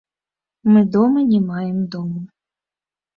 Мы дома не маем дому.